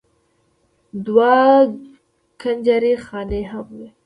دوه کنجرې خانې هم وې.